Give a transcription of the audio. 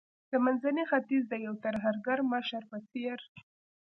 د منځني ختیځ د یو ترهګر مشر په څیر